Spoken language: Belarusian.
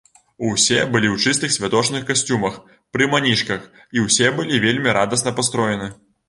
Усе былі ў чыстых святочных касцюмах, пры манішках, і ўсе былі вельмі радасна пастроены.